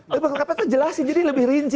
tapi kalau kpk itu jelasin jadi lebih rinci